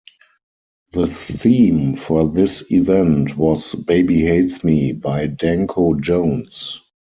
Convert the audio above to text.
The theme for this event was "Baby Hates Me" by Danko Jones.